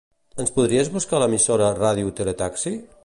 Ens podries buscar l'emissora "Radio Tele Taxi"?